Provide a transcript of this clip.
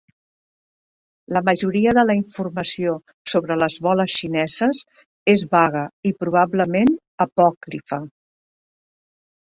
La majoria de la informació sobre les boles xineses és vaga i probablement apòcrifa.